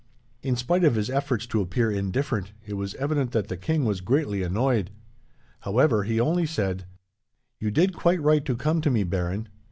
"In spite of his efforts to appear indifferent, it was evident that the king was greatly annoyed. However, he only said: "'You did quite right to come to me, Baron.